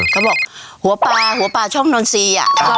เขาบอกหัวปลาหัวปลาช่องนนทรีย์